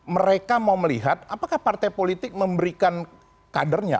mereka mau melihat apakah partai politik memberikan kadernya